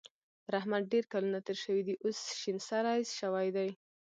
پر احمد ډېر کلونه تېر شوي دي؛ اوس شين سری شوی دی.